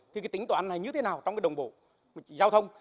thì tính toán này như thế nào trong đồng bộ giao thông